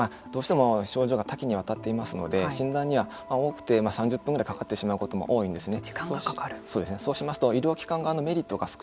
どうしても、症状が多岐にわたっていますので診断には多くて３０分ぐらいかかってしまうことも多いんですね。